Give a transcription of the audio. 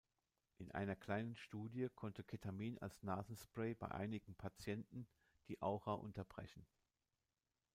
In einer kleinen Studie konnte Ketamin als Nasenspray bei einigen Patienten die Aura unterbrechen.